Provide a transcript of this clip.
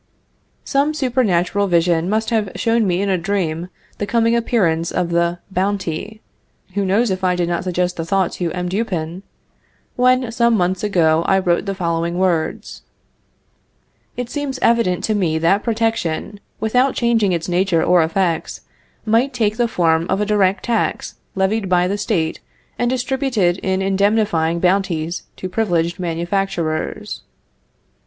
Some supernatural vision must have shown me in a dream the coming appearance of the bounty (who knows if I did not suggest the thought to M. Dupin?), when some months ago I wrote the following words: "It seems evident to me that protection, without changing its nature or effects, might take the form of a direct tax levied by the State, and distributed in indemnifying bounties to privileged manufacturers."